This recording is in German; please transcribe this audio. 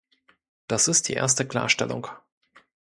Das ist die erste Klarstellung.